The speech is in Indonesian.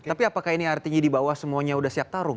tapi apakah ini artinya di bawah semuanya sudah siap tarung